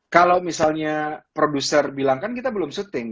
kalau misalnya produser bilang kan kita belum syuting